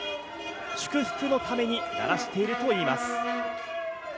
祝福のために鳴らしているといいます。